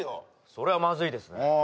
それはまずいですね